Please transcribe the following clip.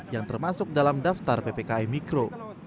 yang termasuk dalam daftar ppkm mikro